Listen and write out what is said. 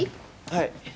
はい。